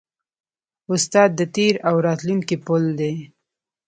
استاد د تېر او راتلونکي پل دی.